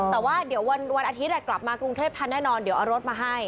แต่ว่าเดี๋ยววันอาทิตย์กลับมากรุงเทพทันแน่นอนเดี๋ยวเอารถมาให้